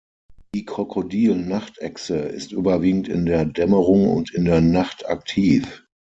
Die Krokodil-Nachtechse ist überwiegend in der Dämmerung und in der Nacht aktiv.